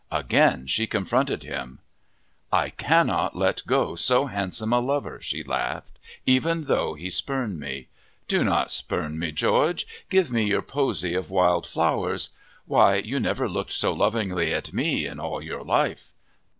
Again she confronted him. "I cannot let go so handsome a lover," she laughed, "even though he spurn me! Do not spurn me, George. Give me your posy of wild flowers. Why, you never looked so lovingly at me in all your life!"